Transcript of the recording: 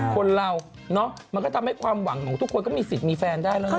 คนเราเนาะมันก็ทำให้ความหวังของทุกคนก็มีสิทธิ์มีแฟนได้แล้วนะ